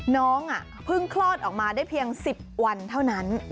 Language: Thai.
น้องเพิ่งคลอดออกมาได้เพียง๑๐วันเท่านั้น